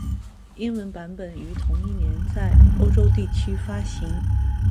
英文版本于同一年在欧洲地区发行。